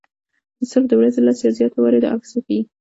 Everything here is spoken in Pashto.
صرف د ورځې لس یا زیات وارې دا عکس وښيي.